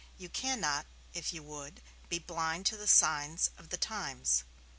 You cannot, if you would, be blind to the signs of the times.